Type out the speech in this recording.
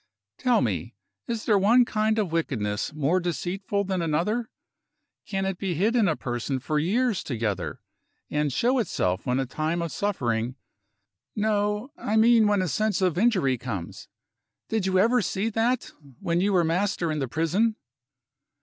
Tell me is there one kind of wickedness more deceitful than another? Can it be hid in a person for years together, and show itself when a time of suffering no; I mean when a sense of injury comes? Did you ever see that, when you were master in the prison?"